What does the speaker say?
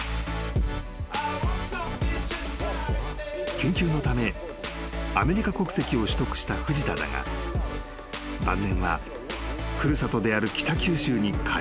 ［研究のためアメリカ国籍を取得した藤田だが晩年は古里である北九州に帰りたがっていたという］